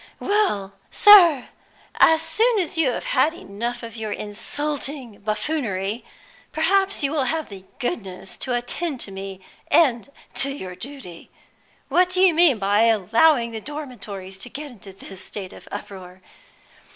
"Well, sir, as soon as you have had enough of your insulting buffoonery, perhaps you will have the goodness to attend to me, and to your duty! What do you mean by allowing the dormitories to get into this state of uproar?